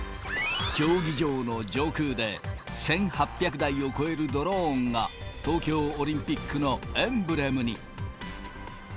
競技場の上空で、１８００台を超えるドローンが、東京オリンピックのエンブレムに。